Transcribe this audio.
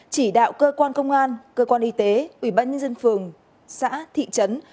chỉ đạo cơ quan công an cơ quan y tế ubnd phường xã thị trấn